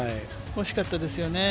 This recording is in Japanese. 惜しかったですよね。